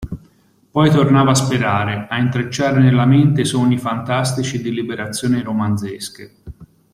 Poi tornava a sperare, a intrecciare nella mente sogni fantastici di liberazioni romanzesche.